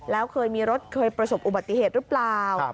แล้วเคยมีรถเคยประสบอุบัติเหตุหรือเปล่า